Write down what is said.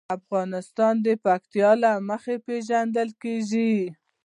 افغانستان د پکتیکا له مخې پېژندل کېږي.